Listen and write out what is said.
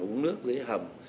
uống nước dưới hầm